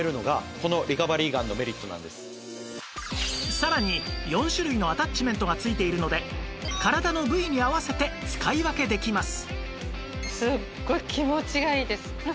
さらに４種類のアタッチメントが付いているので体の部位に合わせて使い分けできます